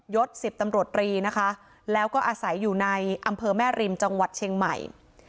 ศ๑๐ตำรวจรีนะคะแล้วก็อาศัยอยู่ในอำเภอแม่ริมจังหวัดเชียงใหม่